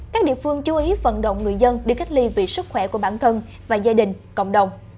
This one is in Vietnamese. các địa phương chú ý vận động người dân đi cách ly vì sức khỏe của bản thân và gia đình cộng đồng